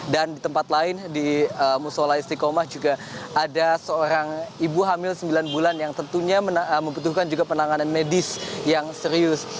dan di tempat lain di musola istiqomah juga ada seorang ibu hamil sembilan bulan yang tentunya membutuhkan juga penanganan medis yang serius